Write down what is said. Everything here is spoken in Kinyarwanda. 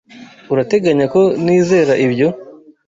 Urateganya ko nizera ibyo?